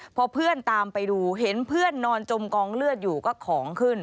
พอเพื่อนตามไปดูเห็นเพื่อนนอนจมกองเลือดอยู่ก็ของขึ้น